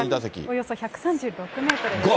およそ１３６メートルでした。